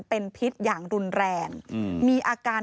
พ่อพูดว่าพ่อพูดว่าพ่อพูดว่า